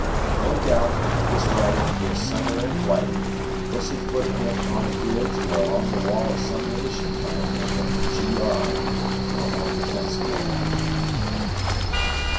No doubt, at this writing he is "somewhere in Blighty" pussy footing it on a bridge or along the wall of some munition plant with the "G. R," or Home Defence Corps.